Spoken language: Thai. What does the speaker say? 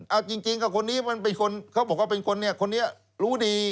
เอาจริงเขาบอกว่าเป็นคนนี้คนนี้รู้ดี